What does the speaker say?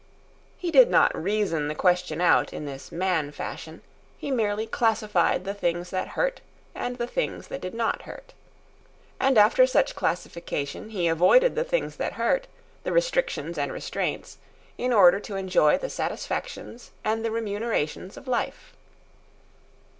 He did not reason the question out in this man fashion. He merely classified the things that hurt and the things that did not hurt. And after such classification he avoided the things that hurt, the restrictions and restraints, in order to enjoy the satisfactions and the remunerations of life.